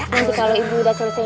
nanti kalau ibu udah selesai